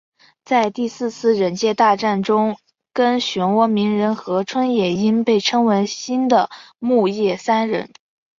在第四次忍界大战中跟漩涡鸣人和春野樱被称为新的木叶三忍。